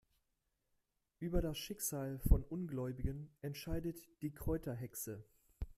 Über das Schicksal von Ungläubigen entscheidet die Kräuterhexe.